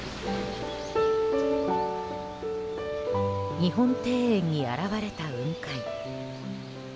日本庭園に現れた雲海。